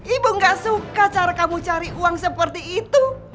ibu gak suka cara kamu cari uang seperti itu